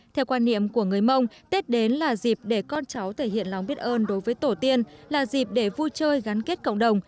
theo quan niệm của người mông tết đến là dịp để con cháu thể hiện lòng biết ơn đối với tổ tiên là dịp để vui chơi gắn kết cộng đồng